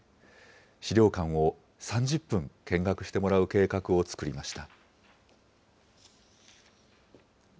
資料館を３０分見学してもらう計画を作りました。